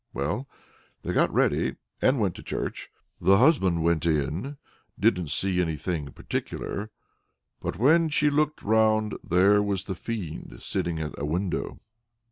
Well, they got ready, and went to church. The husband went in didn't see anything particular. But when she looked round there was the Fiend sitting at a window.